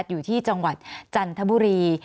อยู่ที่จังหวัดจันทบุรี